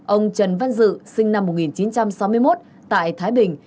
ông trần văn dự sinh năm một nghìn chín trăm sáu mươi một tại thái bình